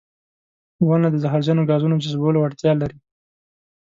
• ونه د زهرجنو ګازونو جذبولو وړتیا لري.